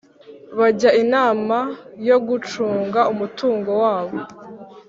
bajya inama yo gucunga umutungo wabo